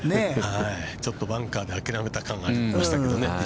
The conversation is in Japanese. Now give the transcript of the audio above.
ちょっとバンカーで諦めた感がありましたけどね。